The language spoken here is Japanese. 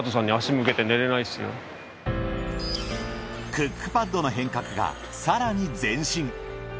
クックパッドの変革が更に前進。